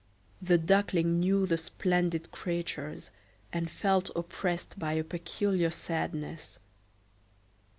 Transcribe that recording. The Duckling knew the splendid creatures, and felt oppressed by a peculiar sadness.